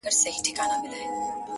دا چي دي شعرونه د زړه جيب كي وړي ـ